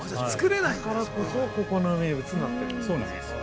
◆だからこそ、ここの名物になってるんですね。